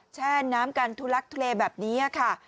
แช่นน้ำการทุลักษณ์ทะเลแบบนี้ค่ะ